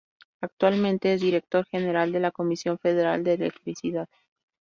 Actualmente es director general de la Comisión Federal de Electricidad.